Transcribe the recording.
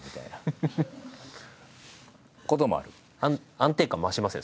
安定感増しますね